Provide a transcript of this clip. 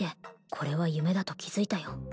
これは夢だと気付いたよ